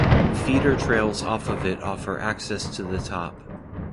Feeder trails off of it offer access to the top.